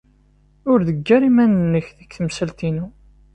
Ur d-ggar iman-nnek deg temsal-inu.